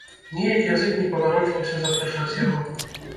Неяк язык не паварочваўся запрашаць яго.